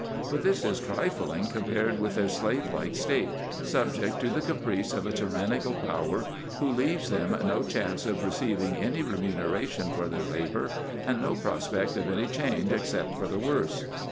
But this is trifling compared with their slave like state, subject to the caprice of a tyrannical power, who leaves them no chance of receiving any remuneration for their labour, and no prospect of any change except for the worse.